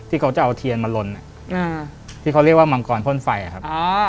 ที่เขาจะเอาเทียนมาลนที่เขาเรียกว่ามังกรพ่นไฟครับ